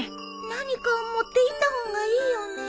何か持っていった方がいいよね。